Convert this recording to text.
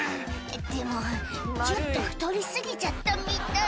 「でもちょっと太り過ぎちゃったみたい」